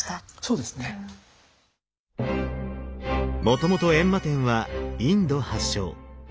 もともと閻魔天はインド発祥。